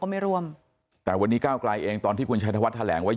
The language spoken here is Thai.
ก็ไม่รวมแต่วันนี้ก้าวกล่ายเองตอนที่คุณชัยทวัตรแถแหลงว่า